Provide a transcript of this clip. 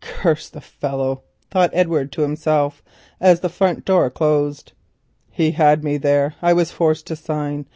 "Curse the fellow," thought Edward to himself as the front door closed, "he had me there—I was forced to sign.